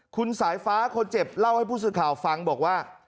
คุณสายฟ้าคนเจ็บเล่าให้ผู้สื่อข่าวฟังบอกว่า